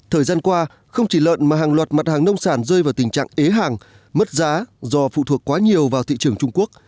thời gian qua không chỉ lợn mà hàng loạt mặt hàng nông sản rơi vào tình trạng ế hàng mất giá do phụ thuộc quá nhiều vào thị trường trung quốc